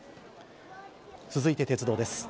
続いて鉄道です。